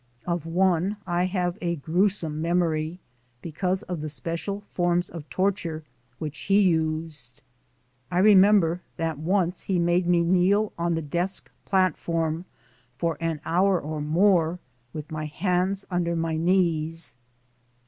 Of one I have a gruesome memory, be cause of the special forms of torture which he used. I remember that once he made me kneel on the desk platform for an hour or more with my hands under my knees.